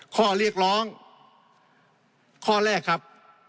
ข้อเรียกร้องข้อแรกครับ